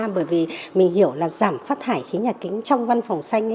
bởi vì mình hiểu là giảm phát thải khí nhà kính trong văn phòng xanh